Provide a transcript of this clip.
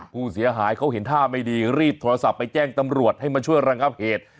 ผู้เสียหายเขาเห็นท่าไม่ดีรีบโทรศัพท์ไปแจ้งตำรวจให้มาช่วยระงับเหตุ